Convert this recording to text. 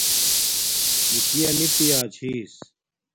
نِکِیݳ نݵ پِیݳ چھݵس.